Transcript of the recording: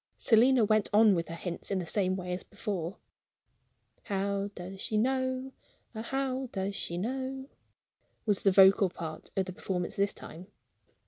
Selina went on with her hints in the same way as before. "How does she know ah, how does she know?" was the vocal part of the performance this time.